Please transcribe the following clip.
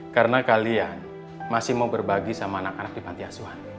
karena kalian masih mau berbagi sama anak anak di pantiasuan